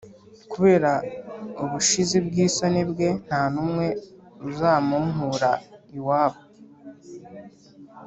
kubera ubushizi bw isoni bwe nta n umwe uzamunkura iwabo